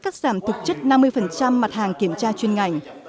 cắt giảm thực chất năm mươi mặt hàng kiểm tra chuyên ngành